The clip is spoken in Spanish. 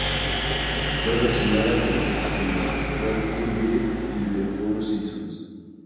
Fue versionada por artistas como Grateful Dead y The Four Seasons.